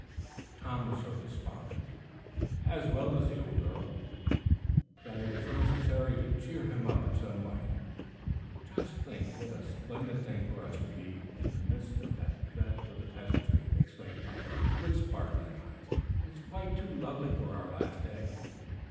Tom was so despondent, as well as the old earl, that it was necessary to cheer him up in some way. "Just think what a splendid thing for us to be in the midst of that fête for the peasantry," exclaimed Polly, with sparkling eyes. "It's quite too lovely for our last day."